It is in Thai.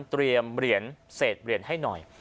เตรียมเหรียญเศษเหรียญให้หน่อย